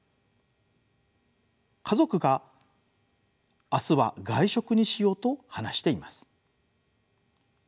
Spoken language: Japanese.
家族が明日は外食にしようと話しています。